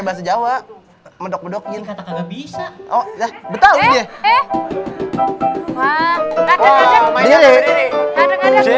bahasa jawa mendok dokin kata nggak bisa oh ya betul dia